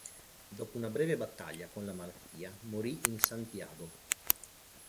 Dopo una breve battaglia con la malattia, morì in Santiago.